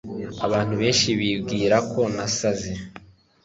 Abantu benshi bibwira ko nasaze